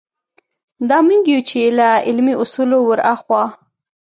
دا موږ یو چې له علمي اصولو وراخوا.